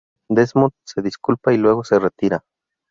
Desmond se disculpa y luego se retira.